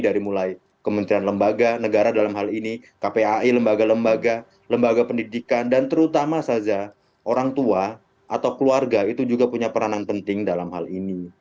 dari mulai kementerian lembaga negara dalam hal ini kpai lembaga lembaga pendidikan dan terutama saja orang tua atau keluarga itu juga punya peranan penting dalam hal ini